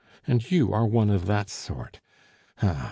And you are one of that sort! Ah!